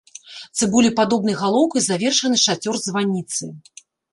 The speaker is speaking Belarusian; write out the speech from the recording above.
Цыбулепадобнай галоўкай завершаны шацёр званіцы.